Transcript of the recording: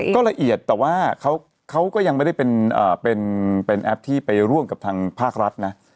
ก็ละเอียดแต่ว่าเขาก็ยังไม่ได้เป็นแอปที่ไปร่วมกับทางภาครัฐนะ